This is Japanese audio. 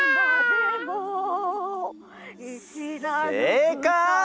正解！